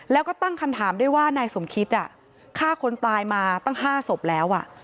แล้วก็ตั้งคำถามด้วยว่านายสมคิตฆ่าคนตายมาตั้ง๕ศพแล้ว